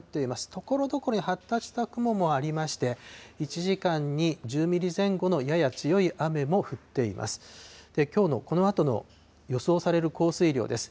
ところどころに発達した雲もありまして、１時間に１０ミリ前後のやや強い雨も降っています。